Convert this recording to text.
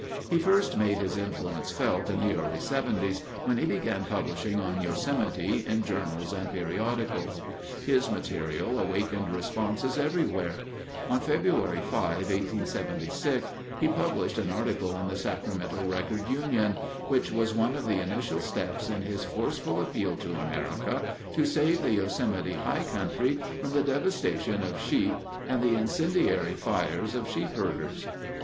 He first made his influence felt in the early 'seventies, when he began publishing on Yosemite in journals and periodicals. His material awakened responses everywhere. On February 5, 1876, he published an article in the Sacramento Record Union which was one of the initial steps in his forceful appeal to America to save the Yosemite high country from the devastations of sheep and the incendiary fires of sheepherders.